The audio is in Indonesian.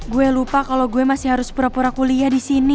gue lupa kalau gue masih harus pura pura kuliah di sini